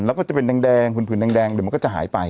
แล้วก็จะเป็นแดงผื่นแดงเดี๋ยวมันก็จะหายไป